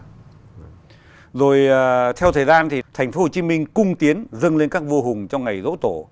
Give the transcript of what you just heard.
rồi theo thời gian thì thành phố hồ chí minh cung tiến dân lên các vua hùng trong ngày dỗ tổ